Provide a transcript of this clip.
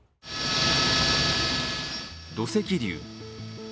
土石流。